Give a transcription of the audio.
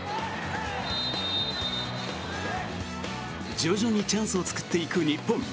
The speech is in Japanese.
徐々にチャンスを作っていく日本。